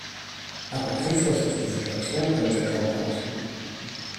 Aber Einfluss auf die Situation können wir kaum ausüben.